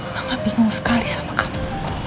mama bingung sekali sama kamu